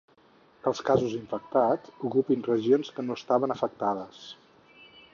Que els casos infectats ocupin regions que no estaven afectades.